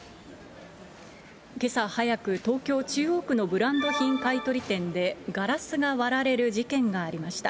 けさ早く、東京・中央区のブランド品買い取り店で、ガラスが割られる事件がありました。